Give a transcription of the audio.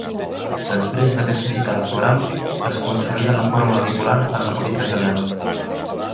Després d'aquesta cita electoral, es consolida la fórmula bipolar en la política italiana.